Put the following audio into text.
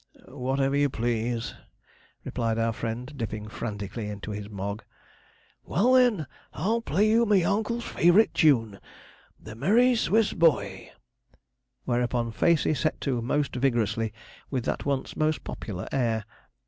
'Whatever you please,' replied our friend, dipping frantically into his Mogg. 'Well, then, I'll play you me oncle's favourite tune, "The Merry Swiss Boy,"' whereupon Facey set to most vigorously with that once most popular air.